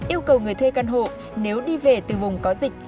yêu cầu người thuê căn hộ nếu đi về từ vùng có dịch